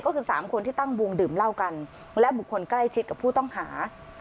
ก็คือ๓คนที่ตั้งวงดื่มเหล้ากันและบุคคลใกล้ชิดกับผู้ต้องหา